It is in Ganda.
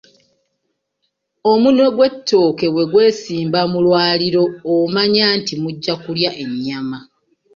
Omunwe gw'ettooke bwe gwesimba mu lwaliiro omanya nti mujja kulya ennyama.